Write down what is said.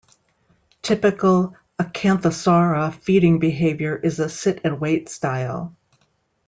Typical "Acanthosaura" feeding behavior is a sit-and-wait style.